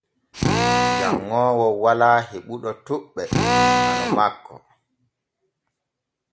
Janŋoowo walaa heɓuɗo toɓɓe hano makko.